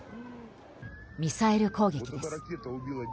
ミサイル攻撃です。